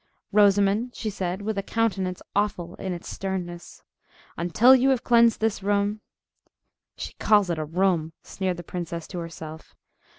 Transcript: "Rosamond," she said, with a countenance awful in its sternness, "until you have cleansed this room—" "She calls it a room!" sneered the princess to herself.